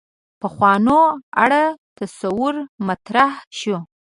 پخوانو اړه تصور مطرح شو.